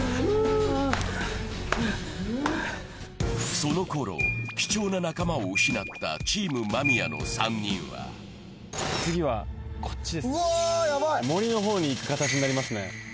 そのころ、貴重な仲間を失ったチーム間宮の３人は森の方に行く形になりますね。